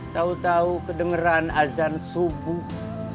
tahu tahu kedengeran azan subuh